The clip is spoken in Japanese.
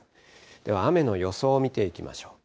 では、雨の予想を見ていきましょう。